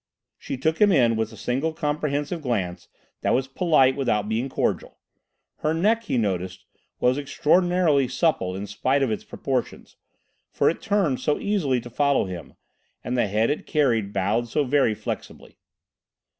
She took him in with a single comprehensive glance that was polite without being cordial. Her neck, he noticed, was extraordinarily supple in spite of its proportions, for it turned so easily to follow him, and the head it carried bowed so very flexibly.